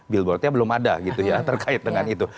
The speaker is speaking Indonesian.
billboardnya belum ada gitu ya terkait dengan itu